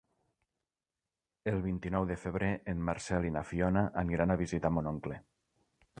El vint-i-nou de febrer en Marcel i na Fiona aniran a visitar mon oncle.